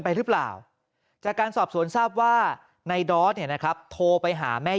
ไปหรือเปล่าจากการสอบสวนทราบว่าในดอสเนี่ยนะครับโทรไปหาแม่